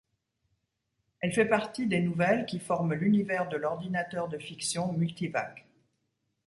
Elle fait partie des nouvelles qui forment l'univers de l'ordinateur de fiction Multivac.